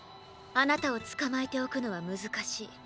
あなたを捕まえておくのは難しい。